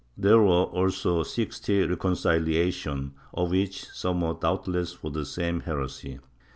There were also sixty reconciliations, of which some were doubtless for the same heresy.